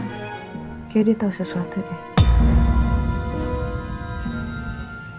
kayaknya dia tahu sesuatu deh